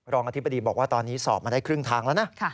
อธิบดีบอกว่าตอนนี้สอบมาได้ครึ่งทางแล้วนะ